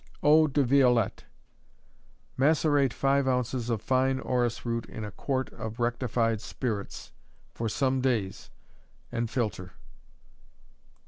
Eau de Violettes. Macerate five ounces of fine orris root in a quart of rectified spirits, for some days, and filter.